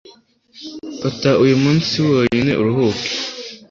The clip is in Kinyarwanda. Fata uyu munsi wonyine uruhuke